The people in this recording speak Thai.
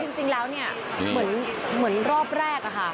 คือจริงแล้วเหมือนรอบแรก